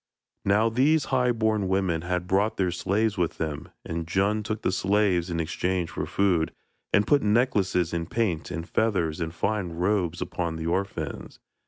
Now these high born women had brought their slaves with them, and Djun took the slaves in exchange for food, and put necklaces and paint and feathers and fine robes upon the orphans.